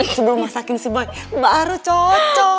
sebelum masakin si boy baru cocok